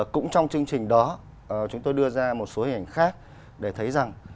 cũng trong chương trình đó chúng tôi đưa ra một số hình ảnh khác để thấy rằng